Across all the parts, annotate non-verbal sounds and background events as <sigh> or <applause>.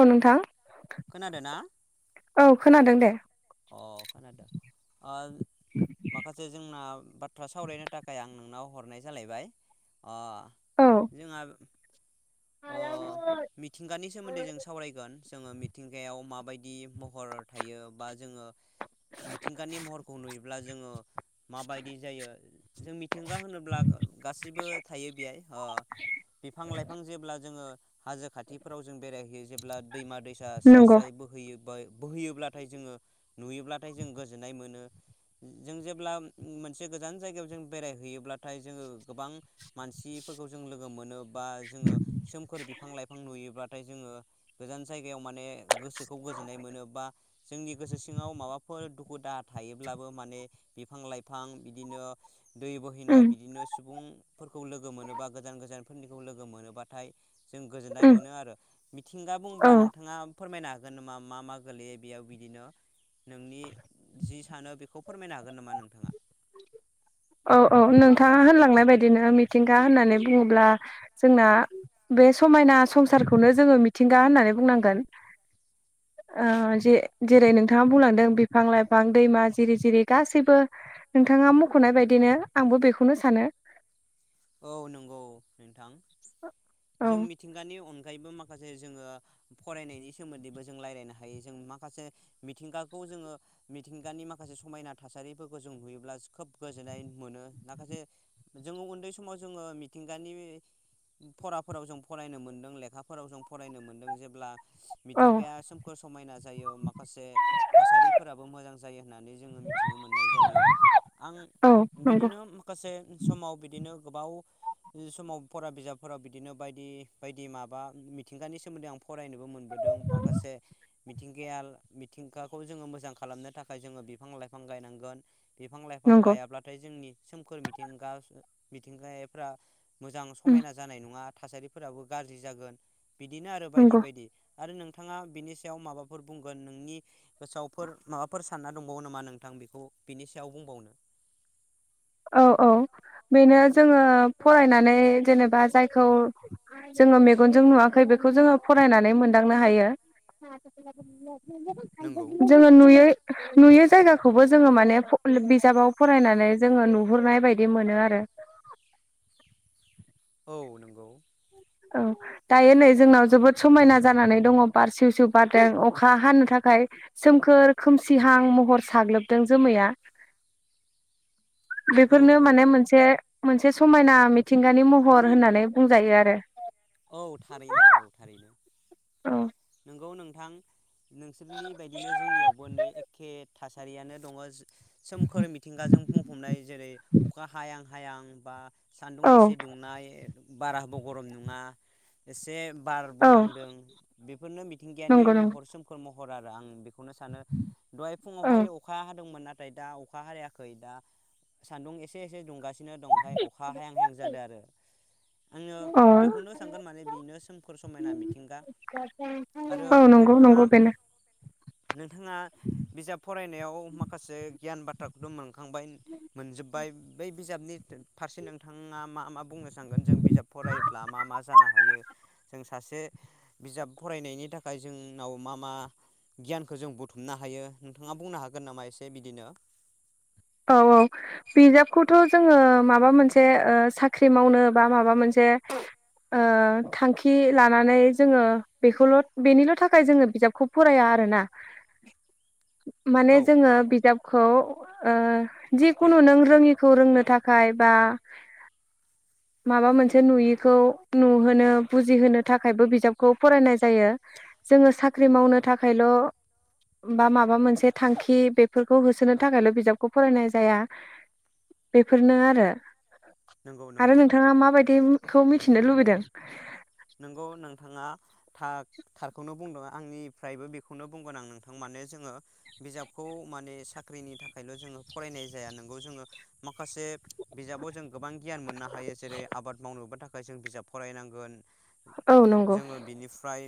औ नोंथां खोनादोना औ खोनादों दे। अ खोनादों। ओ माखासे जोंना बाथ्रा सावरायनो थाखाय आं नोंनाव हरनाय जालायबाय ओ औ जोंहा अ मिथिंगानि सोमोन्दै जों सावरायगोन। जोङो मिथिंगायाव माबायदि महर थायो बा जोङो मिथिंगानि महरखौ नुयोब्ला जोङो माबायदि जायो। जों मिथिंगा होनोब्ला गासैबो थायो बेहाय ओ बिफां-लाइफां जेब्ला जोङो हाजो खाथिफोराव जों बेरायहैयो जेब्ला दैमा दैसा स्राय नंगौ -स्राय बोहैयो बोहैयोब्लाथाय जोङो नुयोब्लाथाय जों गोजोननाय मोनो। जों जेब्ला मोनसे गोजान जायगायाव जों बेरायहैयोब्लाथाय जोङो गोबां मानसिफोरखौ जों लो- गो मोनो बा जोङो सोमखोर बिफां-लाइफां नुयो ब्लाथाय जोङो गोजान जायगायाव माने गोसोखौ गोजोननाय मोनो बा जोंनि गोसो सिङाव माबाफोर दुखु दाहा थायोब्लाबो माने बिफां लाइफां बिदिनो दै उम बोहैनाय बिदिनो सुबुंफोरखौ लोगो मोनोबा गोजान-गोजान फोरनिखौ लोगो मोनोबा- थाय जों गोजोननाय उम मोनो आरो। मिथिंगा औ बुंब्ला नोंथाङा फोरमायना हागोन नामा मा मा गोलैयो बेयाव बिदिनो नोंनि जि सानो बे खौ फोरमायनो हागोन नामा नोंथाङा? औ औ नोंथाङा होनलांनाय बादिनो मिथिंगा होननानै बुङोब्ला जोंना बे समायना संसारखौनो जोङो मिथिंगा होननानै बुंनांगोन ओ जे-जेरै नोंथाङा बुंलांदों बिफां-लाइफां, दैमा जिरि-जिरि गासैबो नोंथाङा मख'नाय बायदिनो आंबो बेखौनो सानो। औ नंगौ नोंथां। औ जों मिथिंगानि अनगा- यैबो माखासे जोङो फरायनायनि सोमोन्दैबो जों रायलायनो हायो जों माखासे मिथिंगाखौ जोङो मिथिंगानि माखासे समायना थासारिफोरखौ जों नुयोब्ला खोब गोजोननाय मोनो माखासे जोङो उन्दै समाव जोङो मिथिंगानि फराफोराव जों फरायनो मोनदों, लेखाफोराव जों फरायनो मोनदों जेब्ला औ मिथिंगाया सोमखोर समायना जायो माखासे थासारिफोराबो मोजां जायो होननानै जोङो मिथिनो मोननाय जायो। आं औ नंगौ बिदिनो माखासे समाव बिदिनो गोबाव समाव फरा बिजाबफोराव बिदिनो बायदि बायदि माबा मिथिंगानि सोमोन्दै आं फरायनोबो मोनबोदों माखासे मिथिंगाया मिथिंगाखौ जोङो मोजां खालामनो थाखाय जोङो बिफां-लाइफां गायनांगोन। बिफां लाइफां नंगौ गायाब्लाथाय जोंनि सोमखोर मिथिंगा मिथिंगायारिफ्रा मोजां उम समायना जानाय नङा, थासारिफोराबो गाज्रि जागोन, बिदिनो आरो बायदि नंगौ बायदि। आरो नोंथाङा बिनि सायाव माबाफोर बुंगोन नोंनि गोसोआवफोर माबाफोर सानना दंबावो नामा नोंथां बेखौ बिनि सायाव बुंबावनो? औ औ बेनो जोङो फरायनानै जेनेबा जायखौ जोङो मेगनजों नुवाखै बेखौ जोङो फरायनानै मोनदांनो हायो। नंगौ जोङो नुयो नुयो जायगाखौबो जोङो माने फ बिजाबाव फरायनानै जोङो नुहुरनाय बायदि मोनो आरो औ नंगौ औ दायो नै जोंनाव जोबोद समायना जानानै दङ बारसिउ सिउ बारदों अखा हानो थाखाय सोमखोर खोमसिहां महर साग्लोबदों जोमैया औ बेफोरनो औ माने मोनसे मोनसे समायना मिथिंगानि महर होननानै बुंजायो आरो औ थारैनो औ नोंगौ नोंथां नोंसोरनि बायदिनो जोंनियावबो नै एखे थासारियानो दङ सोमखोर मिथिंगाजों बुंफबनाय जेरै अखा हायां हायां बा सान्दुं एसे औ दुंनाय बार हाबो गरम नङा एसे बारबो औ नांदों बेफोरनो मिथिंगायानि नंगौ नंगौ महर सोमखोर महर आरो आं बे नो सानो दहाय औ फुङावहाय अखा हादोंमोन ना नाथाय दा अखा हारायाखै दा सान्दुं एसे एसे दुंगासि ओमफाय अखा हायां हायां जादों आरो। आङो औ बेखौनो सानगोन माने बिनो सों फोर समायना मिथिंगा आरो औ नंगौ नोंथाङा नंगौ बेनो नोंथाङा बिजाब फरायनायाव माखासे गियान बाथ्राखौथ' मोनखांबाय मोनजोब्बाय बै बिजाबनि फारसे नोंथाङा मा मा बुंनो सानगोन जों बिजाब फरायब्ला मा मा जानो हायो जों सासे बिजाब फरायनायनि थाखाय जोंनाव मा मा गियानखौ जों बुथुमनो हायो नोंथाङा बुंनो हागोन नामा एसे बिदिनो औ औ बिजाबखौथ' जोङो माबा मोनसे ओ साख्रि मावनो बा माबा मोनसे ओ थांखि लानानै जोङो बेखौल' बेनिल' थाखाय जोङो बिजाबखौ फराया आरोना। माने औ जोङो बिजाबखौ ओ जिखुनु नों रोङिखौ रोंनो थाखाय बा माबा मोनसे नुयिखौ नुहोनो बुजिहोनो थाखायबो बिजाबखौ फरायनाय जायो जोङो साख्रि मावनो थाखायल' बा माबा मोनसे थांखि बेफोरखौ होसोनो थाखायल' बिज बिजाबखौ फरायनाय जाया बेफोरनो आरो। नंगौ आरो नंगौ नोंथाङा माबायदिखौ मिथिनो लुबैदों? <inaudible> नोंगौ नों थाङा था-थारखौनो बुंदों आंनिफ्रायबो बेखौनो बुंगोन आं नोंथां माने जोङो बिजाबखौ माने साख्रिनि थाखायल' जोङो फरायनाय जाया नोंगौ जोङो माखासे बिजाबाव जों गोबां गियान मोननो हायो जेरै आबाद मावनोबो थाखा जों बिजाब फरायनांगोन औ नंगौ जोङो बिनिफ्राय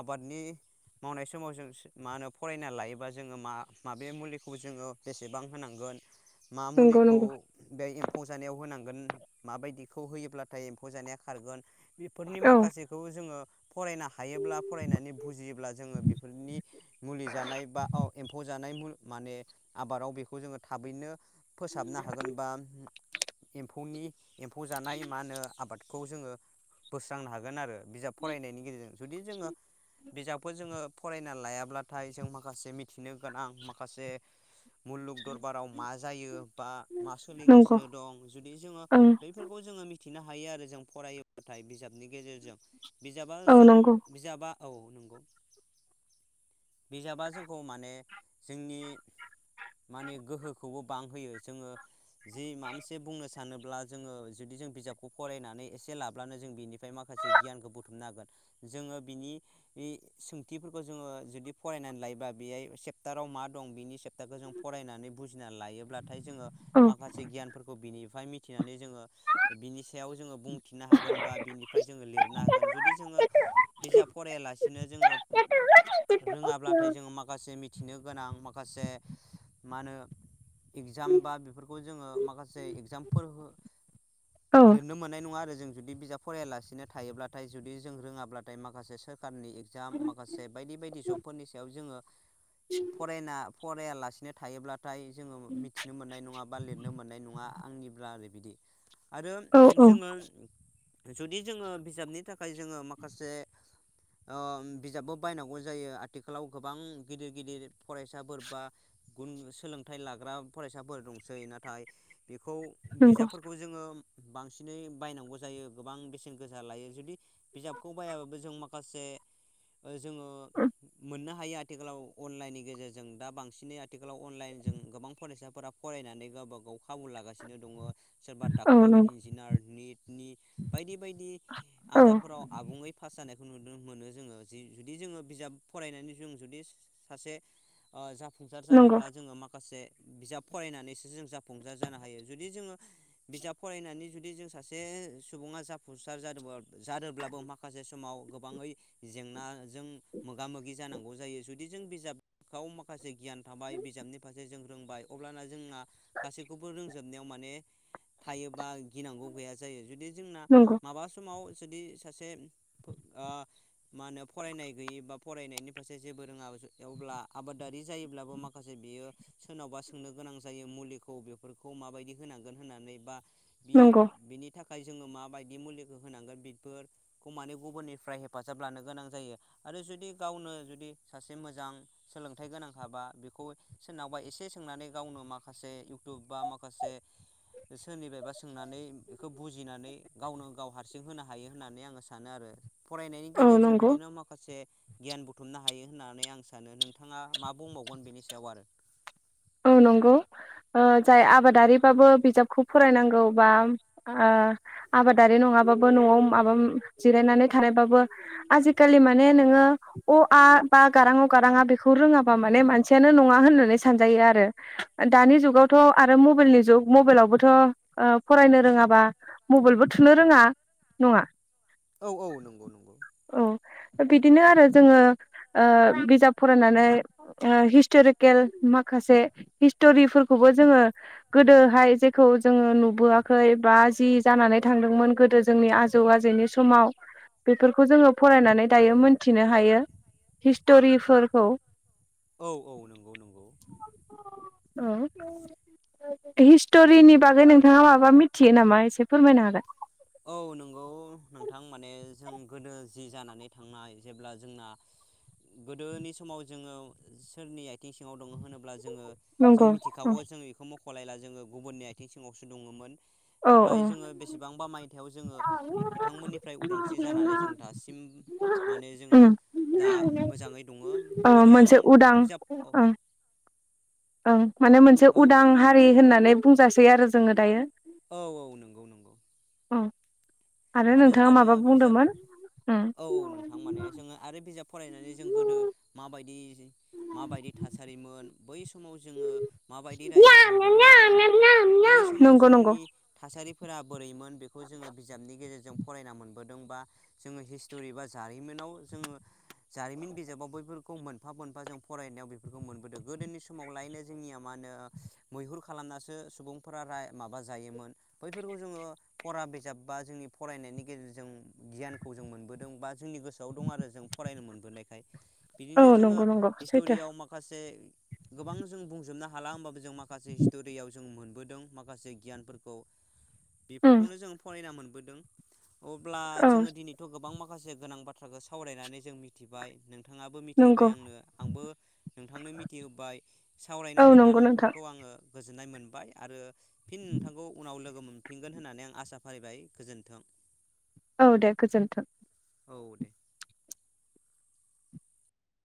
आबादनि मावनाय समाव जों मा होनो फरायना लायोबा जोङो मा माबे मुलिखौ जोङो बेसेबां होनांगोन। मा नंगौ मुलिखौ नंगौ बे एम्फौ जानायाव होनांग थांगोन माबायदिखौ होयोब्लाथाय एम्फौ जानाया खारगोन। बेफोरनि औ माखासेखौ जोङो फरायनो हायोब्ला फरायनानै बुजियोब्ला जोङो बेफोरनि मुलि जानाय बा ओ एम्फौ जानाय मु माने आबादाव बेखौ जोङो थाबैनो फोसाबनो हागोन बा एम्फौनि एम्फौ जानाय मा होनो आबाद खौ जोङो बोस्रांनो हागोन आरो। बिजाब फरायनायनि गेजेरजों जुदि जोङो बिजाबखौ जोङो फरायना लायाब्लाथाय जों माखासे मिथिनो गोनां माखासे मुलुग दरबाराव मा जायो बा मा नंगौ सोलिगासिनो दं जुदि जोङो ओं बैफोरखौ जोङो मिथि मिथिनो हायो आरो जों फरायो बाथाय बिजाबनि गेजेरजों। बिजाबा औ जों नंगौ बिजाबा औ नंगौ बिजाबा जोंखौ माने जोंनि माने गोहोखौबो बांहोयो जोङो जि माब मोनसे बुंनोसा सानोब्ला जोङो जुदि जों बिजाबखौ फरायनानै एसे लाब अब्लानो जों बिनिफ्राय माखासे गियानखौ बुथुमनो हागोन जोङो बिनि इ सोंथिफोरखौ जोङो जुदि फरायनानै लायोब्लाा बेयाय सेप्टाराव मा दं बिनि सेप्टारखौ जों फरायनानै बुजिनानै लायोब्ला नाथाय जोङो औ माखासे गियानफोरखौ बिनि हाय मिथिनानै जोङो बिनि सायाव जोङो बुंथि नो हागोन बा बिनिफ्राय जोङो लिरनो हागोन जुदि जोङो बिजाब फरायालासिनो जोङो रोङाब्लाथाय जोङो माखासे मिथिनो गोनां मा माखासे मा होनो इगजाम बा बेफोरखौ जोङो माखासे एगजामफोर लिरनो मोननाय नङा आरो। जों जुदि बिजाब फरायलासिनो थायोब्लाथाय जुदि जों रोङाब्लाथाय माखासे सोर सरकारनि एगजाम माखासे बायदि बायदि जबफोरनि सायाव जोङो फरायना फरायालासिनो थायोब्ला नाथाय जोङो मिथिनो मोननाय नङा बा लिरनो मोननाय नङा। आंनिब्ला ओरै बिदि आरो औ जोङो जुदि जोङो बिजाबनि थाखाय जोङो माखासे ओ बिजाबबो बायनांगौ जायो आथिखालाव गोबां गिदिर गिदिर फरायसाफोर बा गुन सोलोंथाइ लाग्रा फरायसाफोर दंसै। नाथाय बेखौ बिजाबफोरखौ जोङो बांसिनै बायनांगौ जायो गोबां बेसेन गोसा लायो जुदि बिजाबखौ बायाबाबो जों माखासे ओ जोङो <unintelligible> मोननो हायो आथिखालाव अनलाइननि गेजेरजों दा बांसिनै आथिखालाव अनलाइनजों गोबां फरायसाफोरा फरायनानै गावबा गाव खाबु लागासिनो दङ सोरबा औ डाक्टर नंगौ इन्जिनियार निट नि बायदि बायदि औ नंगौ औ आनजादफोराव आबुङै फास जानाय नुनो मोनो जोङो जि जुदि जोङो बिजाब फरायनानै जों जुदि सासे ओ जा फुंसार नंगौ जानोब्ला जोङो माखासे बिजाब फरायनानैसो जों जाफुंजार जानो हायो जुदि जोङो बिजाब फरायनानै जुदि जों सास से सुबुङा जाफुंसार जादोंबा जादोंब्लाबो माखासे समाव गोबाङै जेंनाजों मोगा मोगि जानांगौ जायो जुदि जों बिजाबाव माखासे गियान थाबाय बिजाबनि फारसे जों रोंबाय अब्लाना जोंना गासैखौबो रोंजोबनायाव माने थायोबा गिनांगौ गैया जायो जुदि जोंना नंगौ माबा समाव जुदि सासे ओ मा होनो फरायनाय गैयि बा फरायनायनि फारसे जेबो रोङा अब्ला आबादारि जायोब्लाबो माखासे बेयो सोरनावबा सोंनो गोनां जायो मुलिखौ बेफोरखौ माबायदि होनांगोन होननानै बा बि नंगौ बिनि थाखाय जोङो मााबायदि मुलिखौ होनांगोन बेफोरखौ माने गुबुननिफ्राय हेफाजाब लानो गोनां जायो आरो जुदि गावनो जुदि सासे मोजां सोलोंथाइ गोनांखाबा बेखौ सोरनावबा एसे सोंनानै गावनो माखासे इउटुब बा माखासे सोरनिबायबा सोंनानै बेखौ बुजिनानै गावनो गाव हारसिं होनो हायो होननानै आङो सानो आरो। फरायनायनि औ गेजेरजों नंगौ बिदिनो माखासे गियान बुथुमनो हायो होननानै आं सानो नोंथाङा मा बुंबावगोन बेनि सायाव आरो। ओ नंगौ ओ जाय आबादारिबाबो बिजाबखौ फरायनांगौ बा आ आबादारि नङाबाबो नआव माबा जिरायनानै थानायबाबो आजिखालि माने नोङो अ आ बा गारांअ गाराङा बेखौ रोङाबा माने मानसियानो नङा होननानै सानजायो आ रो दानि जुगावथ' आरो मबाइलनि जुग मबाइलावबोथ फरायनो रोङाबा मबाइलबो थुनो रोङा नङा। औ औ नंगौ नंगौ। औ बिदिनो आरो जोङो ओ बिजाब फरायनानै ओ हिस्टरिकेल माखासे हिस्टरिफोरखौबो जोङो गोदोहाय जेखौ जोङो नुबोआखै बा जि जानानै थांदोंमोन गोदो जोंनि आजौ आजैनि समाव बेफोरखौ जोङो फरायनानै दायो मोनथिनो हायो हिस्टरिफोरखौ। औ औ नंगौ नंगौ। औ हिस्टरिनि बागै नोंथाङा माबा मिथियो नामा एसे फोरमायनो हागोन। औ नंगौ नोंथां माने जों गोदो जि जानानै थांनाय जेब्ला जोंना गोदोनि समाव जोङो सोरनि आथिं सिङाव दङ होनोब्ला जोङो जों नंगौ मिथिखागौ जोङो इखौ म <unintelligible> जोङो गुबुननि आथिं सिङावसो दङोममोन। औ औ नाथाय जोङो बेसेबांबा माय थायाव जोङो बि बिथांमोननिफ्राय उदांस्रि जानानै जों दासिम माने जोङो दा मोजाङै दङ औ आरो आं मोनसे बिजाब औ माने मोनसे औ उदां हारि होननानै बुंजासै आरो जोङो दायो। औ औ नंगौ नंगौ। औ। आरो आरो बिजाब उम औ औ नोंथां माने जोङो आरो बिजाब फरायनानै जों गोदो माबायदि माबायदि थासारिमोन बै स समाव जोङो माबायदि रायजो खुंबोदोंमोन बै समाव नंगौ नंगौ जोंनि थासारि फोरा बोरैमोन बेखौ जोङो बिजाबनि गेजेरजों जों फरायना मोनबोदों बा जोङो हिस्टरि बा जारिमिनाव जोङो जारिमिन बिजाबाव बैफोरखौ मोनफा मोनफा जों फरायनायाव बेफोरखौ मोनबोदों। गोदोनि समाव लायनो जोंनिया मा होनो मैहुर खालामनासो सुबुंफोरा रा-माबा जायोमोन बैफोरखौ जोङो फरा बिजाब बा जोंनि फरायनायनि गेजेरजों गियानखौ जों मोनबोदों बा जोंनि गोसोआव दं आरो जों फरायनो मोनबोनायखाय। औ बिदिनो जोङो नंगौ नंगौ सैथो हिस्टरियाव माखासे गोबां जों बुंजोबनो हाला होमबाबो जों माखासे हिस्टरियाव जों मोनबोदों माखासे गियानफोरखौ। उम बेफोरखौनो जों फरायना मोन बोदों। अब्ला औ जोङो दिनैथ' गोबां मा माखासे गोनां बाथ्राखौ सावरायनानै जों मिथिबाय नों नोंथाङाबो नंगौ मिथिहोबाय आंनो आंबो नोंथांनो मिथिहोबाय औ सावरायनो मोनना नंगौ नोंथां नोंथांखौ आङो गोजोननाय मोनबाय आरो फिन नोंथांखौ उनाव लोगो मोनफिनगोन होननानै आं आसा फारिबाय गोजोन थां। औ दे गोजोन्थों। दे